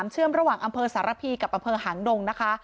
เชื่อมระหว่างอำเภอสารพีกับอำเภอหางดงนะคะ